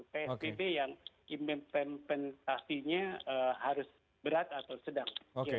psbb yang impentasinya harus berat atau sedang